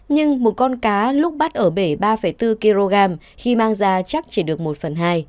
nhưng một con cá lúc bắt ở bể ba bốn kg khi mang ra chắc chỉ được một phần hai